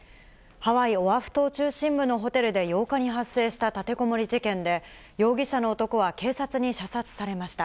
ハワイ・オアフ島中心部のホテルで８日に発生した立てこもり事件で、容疑者の男は警察に射殺されました。